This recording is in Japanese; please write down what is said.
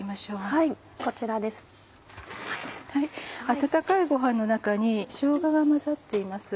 温かいご飯の中にしょうがが混ざっています。